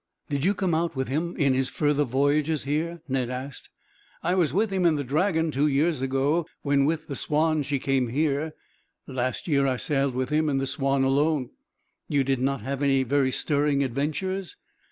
"Did you come out with him, in his further voyages here?" Ned asked. "I was with him in the Dragon, two years ago, when with the Swanne she came here. Last year I sailed with him in the Swanne, alone." "You did not have any very stirring adventures?"